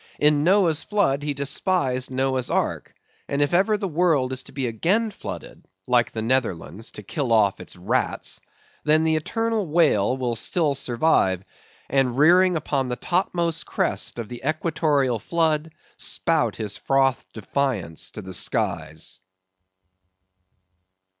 In Noah's flood he despised Noah's Ark; and if ever the world is to be again flooded, like the Netherlands, to kill off its rats, then the eternal whale will still survive, and rearing upon the topmost crest of the equatorial flood, spout his frothed defiance to the skies.